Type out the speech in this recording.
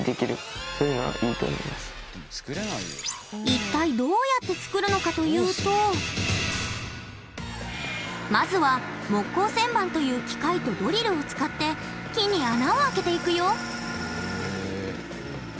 一体どうやって作るのかというとまずは木工旋盤という機械とドリルを使って木に穴を開けていくよ！